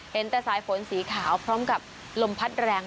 เห็นแต่สายฝนสีขาวพร้อมกับลมพัดแรง